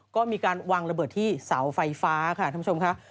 ก็มีการวางระเบิดที่เสาไฟฟ้าค่ะท่านผู้ชมค่ะ